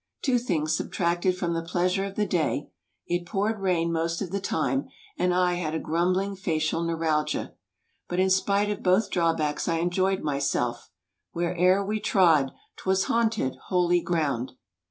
Two things subtraaed from the pleasure of the day, it poured rain most of the time and I had a grumbling facial neuralgia. But in spite of both drawbacks I enjoyed myself 'where'er we trod 'twas haunted, holy ground.'